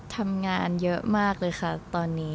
ทำงานเยอะมากเลยค่ะตอนนี้